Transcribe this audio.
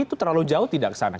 itu terlalu jauh tidak kesana